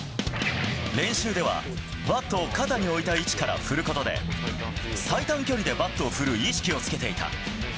練習では、バットを肩に置いた位置から振ることで、最短距離でバットを振る意識をつけていた。